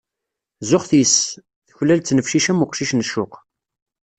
Zuxet yis-s, tuklal ttnefcic am uqcic n ccuq.